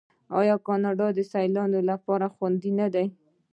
آیا کاناډا د سیلانیانو لپاره خوندي نه ده؟